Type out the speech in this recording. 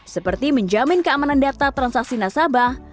seperti menjamin keamanan data transaksi nasabah